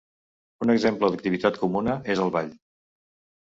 Un exemple d'activitat comuna és el ball.